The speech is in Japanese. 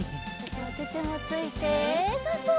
おててもついてそうそう。